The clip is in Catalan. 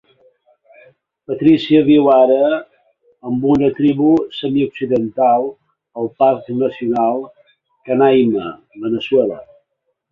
Patricia viu ara amb una tribu semi-occidental al Parc Nacional Canaima, Veneçuela.